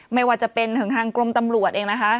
ไม่ว่าจะเป็นถึงทางกรมตำรวจเองนะคะ